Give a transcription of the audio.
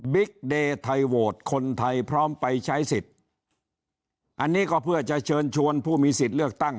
เดย์ไทยโหวตคนไทยพร้อมไปใช้สิทธิ์อันนี้ก็เพื่อจะเชิญชวนผู้มีสิทธิ์เลือกตั้ง